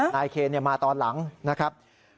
นายเคร์ด้วยมาตอนหลังนะครับ